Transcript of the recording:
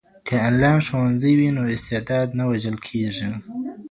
که انلاین ښوونځی وي نو استعداد نه وژل کیږي.